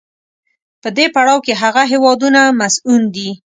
په دې پړاو کې هغه هېوادونه مصون دي.